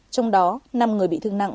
trong đó năm người bị thương nặng